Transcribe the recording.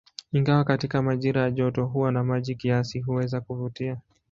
Ingawa katika majira ya joto huwa na maji kiasi, huweza kuvutia.